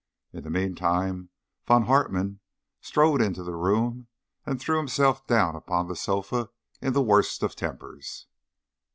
In the meantime Von Hartmann strode into the room and threw himself down upon the sofa in the worst of tempers.